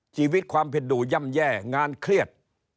ชีวิตความผิดดูย่ำแย่งานเครียด